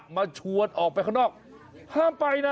มาชวนออกไปข้างนอกห้ามไปนะ